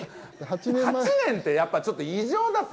８年って、やっぱりちょっと異常だって。